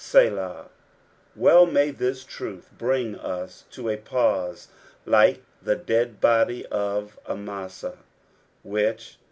Selali. Well may this truth bring us to a pause, lilco the dead body of Amasa, which